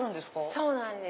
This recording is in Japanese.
そうなんです。